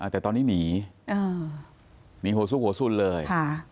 แต่ตอนนี้หนีหนีโหสุกโหสุนเลย